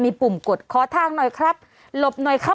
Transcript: เปิดไฟขอทางออกมาแล้วอ่ะ